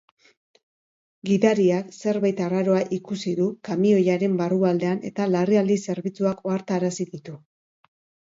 Gidariak zerbait arraroa ikusi du kamioiaren barrualdean eta larrialdi zerbitzuak ohartarazi ditu.